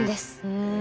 ふん。